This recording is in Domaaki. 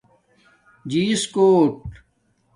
جیس کوٹ